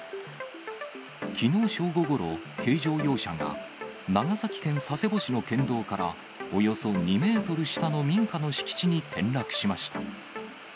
きのう正午ごろ、軽乗用車が長崎県佐世保市の県道からおよそ２メートル下の民家の敷地に転落しました。